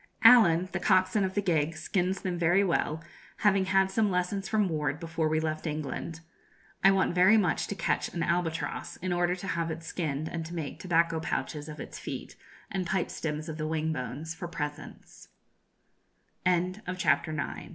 Allen, the coxswain of the gig, skins them very well, having had some lessons from Ward before we left England. I want very much to catch an albatross, in order to have it skinned, and to make tobacco pouches of its feet and pipe stems of